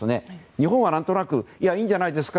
日本は何となくいいんじゃないですか？